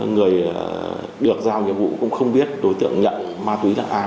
người được giao nhiệm vụ cũng không biết đối tượng nhận ma túy chẳng ai